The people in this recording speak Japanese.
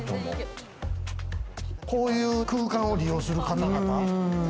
こういう空間を利用する方々。